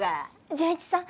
潤一さん